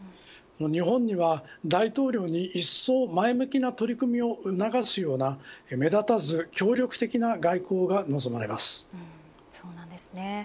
日本には大統領にいっそう前向きな取り組みを促すような、目立たず協力的な外交が望まれます。